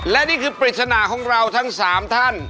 และนี่คือปริศนาของเราทั้ง๓ท่าน